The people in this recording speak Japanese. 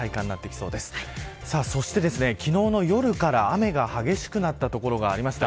そして昨日の夜から雨が激しくなった所がありました。